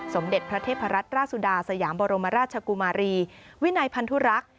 สมเด็จพระเทพรัตนราชสุดาสยามบรมราชกุมารีวินัยพันธุรักษ์